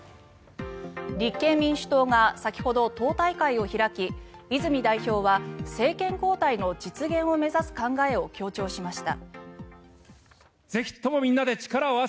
立憲民主党が先ほど党大会を開き泉代表は政権交代の実現を目指す考えを強調しました。